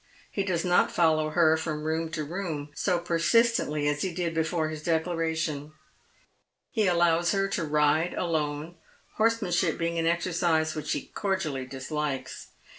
He does not follow her fi om room to room so persistently as he did before his declaration. He allows her to ride alone, horse manship being an exercise which he cordially dislikes.